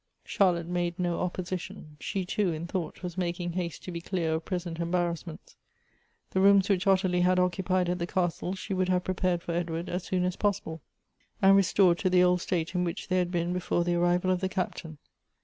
Charlotte made no opposition. She, too, in thought, was making haste to be clear of present embarrassments. The rooms which Ottilie had occupied at the castle she would have prepared for Edward as soon as possible, and. restored to the old state in which they had been before the arrival of the Captain.